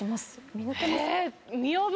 見抜けますか？